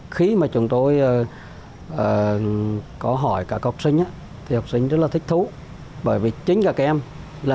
khi mà chúng tôi có hỏi các học sinh đó thì học sinh rất là thích thú bởi vì chính là các em là